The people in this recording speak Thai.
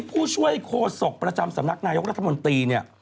ผู้ช่วยโคศกประจำสำนักนายกรัฐมนตรีเนี่ย